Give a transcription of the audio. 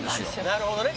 なるほどね